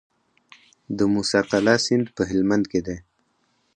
د موسی قلعه سیند په هلمند کې دی